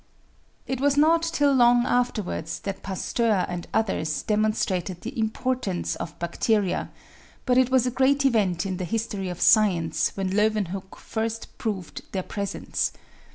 It was not till long afterwards that Pasteur and others de monstrated the importance of bacteria, but it was a great event in the history of science when Leeuwenhoek first proved their pfres ence.